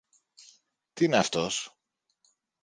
Τι είναι αυτός;